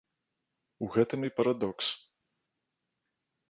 У гэтым і парадокс.